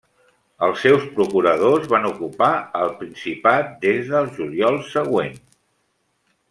Els seus procuradors van ocupar el principat des del juliol següent.